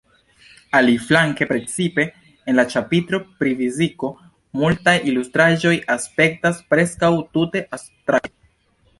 Aliflanke, precipe en la ĉapitro pri “fiziko,” multaj ilustraĵoj aspektas preskaŭ tute abstraktaj.